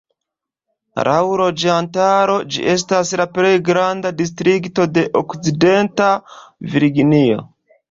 Laŭ loĝantaro ĝi estas la plej granda distrikto de Okcidenta Virginio.